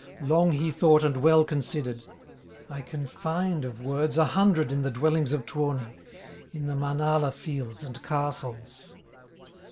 Long he thought and well considered: "I can find of words a hundred In the dwellings of Tuoni, In the Manala fields and castles."